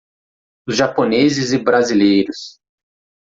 Os Japoneses e Brasileiros.